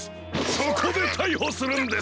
そこでたいほするんです！